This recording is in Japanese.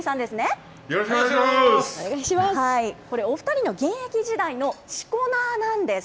これ、お２人の現役時代のしこ名なんです。